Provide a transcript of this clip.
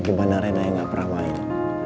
gimana rena yang gak pernah main